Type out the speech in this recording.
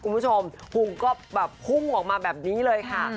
คุณผู้ชมพุงก็แบบพุ่งออกมาแบบนี้เลยค่ะ